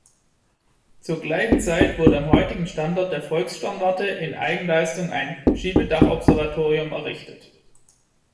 Zur gleichen Zeit wurde am heutigen Standort der Volkssternwarte in Eigenleistung ein Schiebedach-Observatorium errichtet.